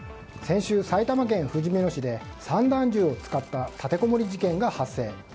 先週、埼玉県ふじみ野市で散弾銃を使った立てこもり事件が発生。